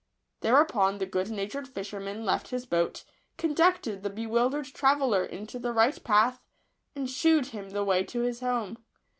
Thereupon the good natured fisher man left his boat, conducted the bewildered tra veller into the right path, and shewed him the way to his home.